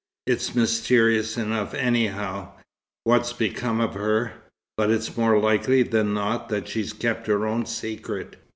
It's mysterious enough anyhow, what's become of her; but it's more likely than not that she kept her own secret.